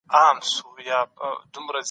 په کور کي بې نظمي نه وي.